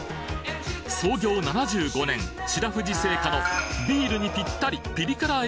創業７５年白藤製菓のビールにぴったりピリ辛え